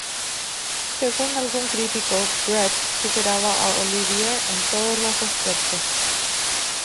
Según algún crítico Brett superaba a Olivier en todos los aspectos.